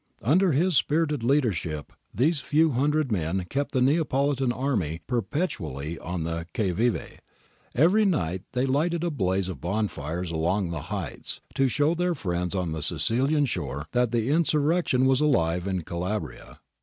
Under his spirited leadership these few hundred men kept the Neapolitan army perpetually on the qui vive. Every night they lighted a blaze of bonfires along the heights, to show their friends on the Sicilian shore that the insurrection was alive in Calabria.